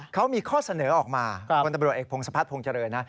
เขามีข้อเสนอออกมาคนตำรวจเอกพงศพัฒนภงเจริญนะ